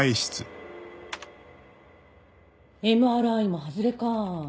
ＭＲＩも外れかぁ。